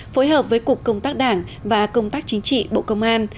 phối hợp với cục công tác đảng và công tác chính trị bộ công an